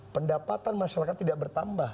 pendapatan masyarakat tidak bertambah